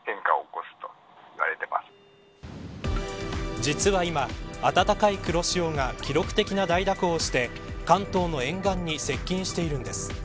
実は今、温かい黒潮が記録的な大蛇行して関東の沿岸に接近しているんです。